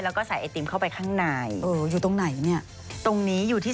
แล้วก็ใส่ไอติมเข้าไปข้างในเอออยู่ตรงไหนเนี่ยตรงนี้อยู่ที่